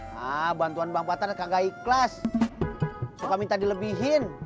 nah bantuan bang patan kan gak ikhlas suka minta dilebihin